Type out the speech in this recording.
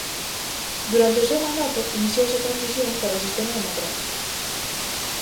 Durante o seu mandato iniciouse a transición cara ao sistema democrático.